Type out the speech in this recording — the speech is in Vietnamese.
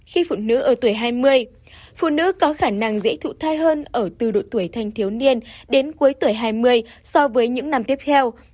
khi phụ nữ ở tuổi hai mươi phụ nữ có khả năng dễ thụ thai hơn ở từ độ tuổi thanh thiếu niên đến cuối tuổi hai mươi so với những năm tiếp theo